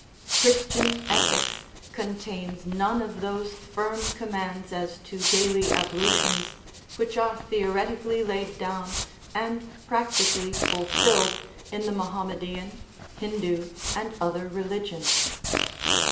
Christian ethics contains none of those firm commands as to daily ablutions which are theoretically laid down and practically fulfilled in the Mohammedan, Hindoo, 354 OUR MONISTIC ETHICS and other religions.